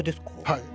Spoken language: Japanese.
はい。